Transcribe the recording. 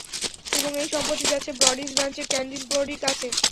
এবং এই সম্পত্তি যাচ্ছে ব্রডিস ব্রাঞ্চের ক্যান্ডিস ব্রডির কাছে।